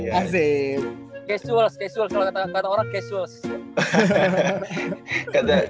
casuals casuals kalo kata orang casuals